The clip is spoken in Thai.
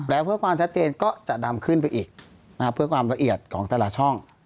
แล้วเพื่อความชัดเจนก็จะดำขึ้นไปอีกเพื่อความละเอียดของแต่ละช่อง